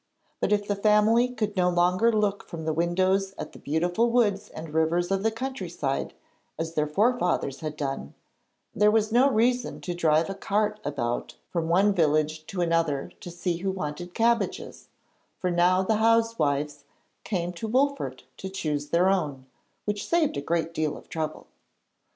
But if the family could no longer look from the windows at the beautiful woods and rivers of the countryside, as their forefathers had done, there was no reason to drive a cart about from one village to another to see who wanted cabbages, for now the housewives came to Wolfert to choose their own, which saved a great deal of trouble.